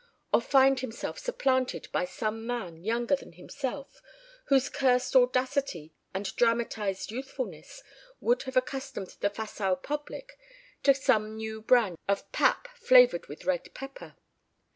Or find himself supplanted by some man younger than himself whose cursed audacity and dramatized youthfulness would have accustomed the facile public to some new brand of pap flavored with red pepper.